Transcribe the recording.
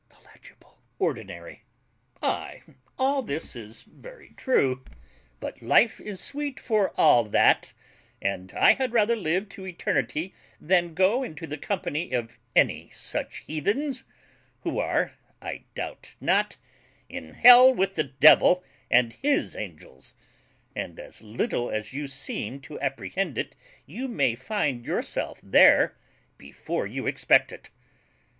... ORDINARY. Ay, all this is very true; but life is sweet for all that; and I had rather live to eternity than go into the company of any such heathens, who are, I doubt not, in hell with the devil and his angels; and, as little as you seem to apprehend it, you may find yourself there before you expect it.